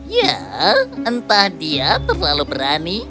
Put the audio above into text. ya entah dia terlalu berani